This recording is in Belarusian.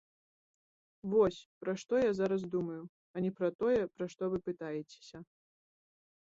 Вось, пра што я зараз думаю, а не пра тое, пра што вы пытаецеся.